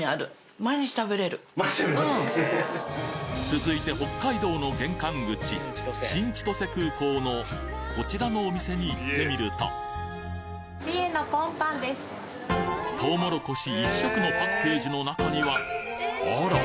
続いて北海道の玄関口新千歳空港のこちらのお店に行ってみるととうもろこし一色のパッケージの中にはあら！